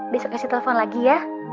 besok esi telepon lagi ya